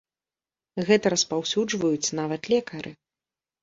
Гэта распаўсюджваюць нават лекары.